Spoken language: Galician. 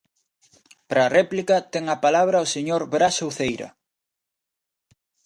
Para a réplica, ten a palabra o señor Braxe Uceira.